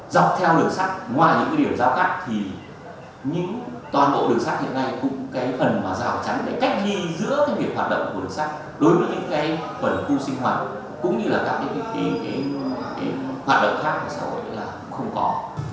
dọc theo đường sắt ngoài những cái điểm giao cắt thì những toàn bộ đường sắt hiện nay cũng cái phần mà rào chắn để cách ly giữa cái việc hoạt động của đường sắt đối với những cái phần khu sinh hoạt cũng như là các cái hoạt động khác của xã hội là cũng không có